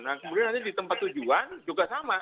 nah kemudian nanti di tempat tujuan juga sama